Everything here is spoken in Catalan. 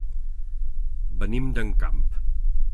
Venim d'Encamp.